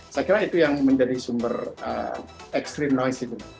saya kira itu yang menjadi sumber extreme noise itu